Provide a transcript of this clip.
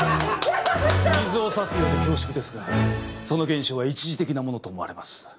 水を差すようで恐縮ですがその現象は一時的なものと思われます。